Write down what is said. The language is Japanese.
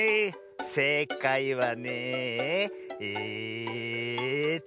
せいかいはねええと。